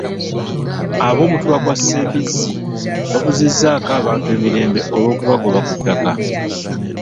Ab'omutuba gwa Ssembizzi babuzizzaako abantu emirembe olw'okubagoba ku ttaka.